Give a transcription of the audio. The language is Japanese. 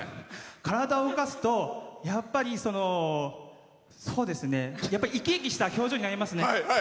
体を動かすとやっぱり生き生きした表情になりますね。